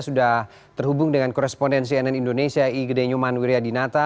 sudah terhubung dengan korespondensi nn indonesia i gede nyoman wiryadinata